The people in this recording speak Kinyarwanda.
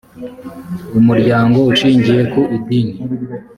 umuryango ushingiye ku idini